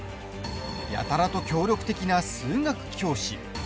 やたらと協力的な数学教師。